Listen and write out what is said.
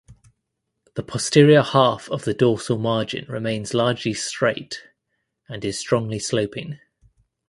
The posterior half of the dorsal margin remains largely straight and is strongly sloping.